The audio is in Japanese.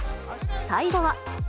最後は。